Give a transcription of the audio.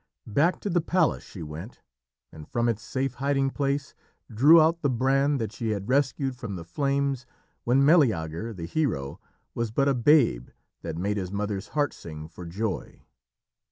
Back to the palace she went, and from its safe hiding place drew out the brand that she had rescued from the flames when Meleager the hero was but a babe that made his mother's heart sing for joy.